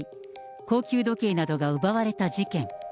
高級時計などが奪われた事件。